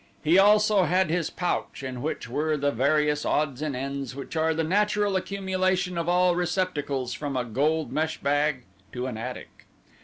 He also had his pouch, in which were the various odds and ends which are the natural accumulation of all receptacles from a gold meshbag to an attic.